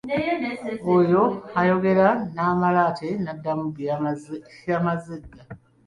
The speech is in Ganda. Oyo ayogera, n'amala ate n'addamu bye yamaze edda!